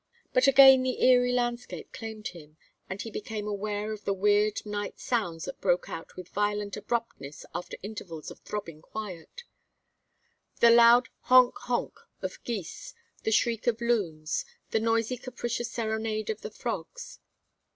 But again the eerie landscape claimed him and he became aware of the weird night sounds that broke out with violent abruptness after intervals of throbbing quiet: the loud honk honk of geese, the shriek of loons, the noisy capricious serenade of the frogs.